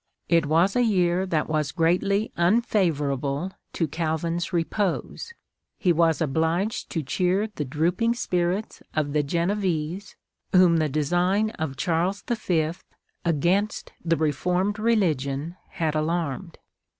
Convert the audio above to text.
It was a year that was greatly " un favourable to Calvin's repose. He was obliged to cheer the drooping spirits of the Genevese, whom the designs of Charles V. against the Reformed Religion had alarmed.